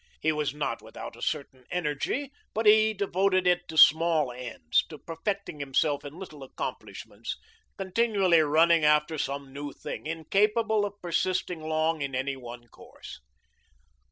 He was not without a certain energy, but he devoted it to small ends, to perfecting himself in little accomplishments, continually running after some new thing, incapable of persisting long in any one course.